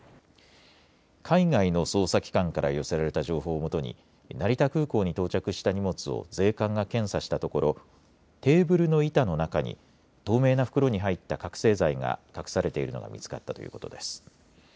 海外の捜査機関から寄せられた情報をもとに成田空港に到着した荷物を税関が検査したところ、テーブルの板の中に透明な袋に入った覚醒剤が隠されているのが見つかったということです。